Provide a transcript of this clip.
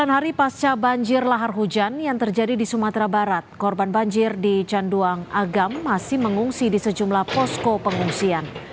sembilan hari pasca banjir lahar hujan yang terjadi di sumatera barat korban banjir di canduang agam masih mengungsi di sejumlah posko pengungsian